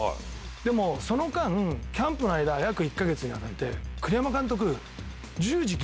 でもその間キャンプの間約１か月にわたって栗山監督。